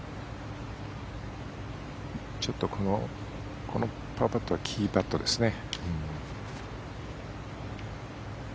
ちょっとこのパーパットはキーパットですね。